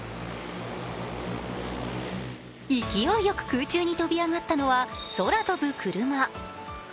勢いよく空中に飛び上がったのは空飛ぶクルマ。